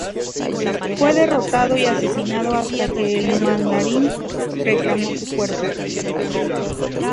Fue derrotado y asesinado, hasta que el Mandarín reclamó su cuerpo.